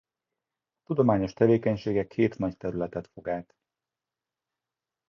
Tudományos tevékenysége két nagy területet fog át.